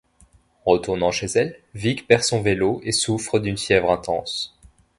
En retournant chez elle, Vic perd son vélo et souffre d'une fièvre intense.